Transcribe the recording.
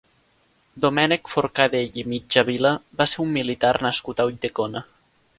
Domènec Forcadell i Mitjavila va ser un militar nascut a Ulldecona.